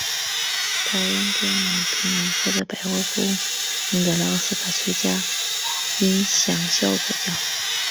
他因电影贫民窟的百万富翁赢得了奥斯卡最佳音响效果奖。